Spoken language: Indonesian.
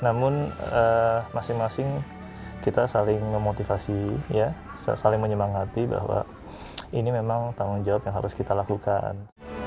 namun masing masing kita saling memotivasi saling menyemangati bahwa ini memang tanggung jawab yang harus kita lakukan